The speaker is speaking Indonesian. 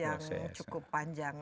yang cukup panjang